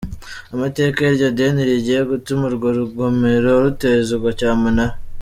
Amateka y’iryo deni rigiye gutuma urwo rugomero rutezwa cyamunara.